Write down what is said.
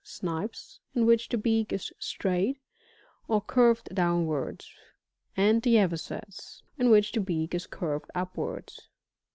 Snipes in which the beak is straight, or curved downwards ; and the Avosets in which the beak is curved upwards.